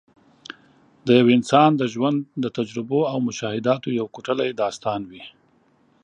د یو انسان د ژوند د تجربو او مشاهداتو یو کوټلی داستان وي.